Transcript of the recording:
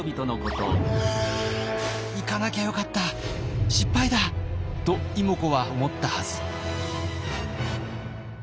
「行かなきゃよかった失敗だ！」と妹子は思ったはず。